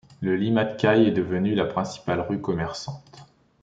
Le Limmatquai est devenu la principale rue commerçante.